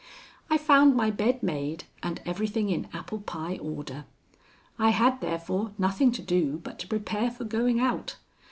I found my bed made and everything in apple pie order. I had therefore nothing to do but to prepare for going out.